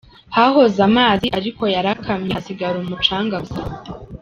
Hahoze amazi ariko yarakamye hasigara umucanga gusa.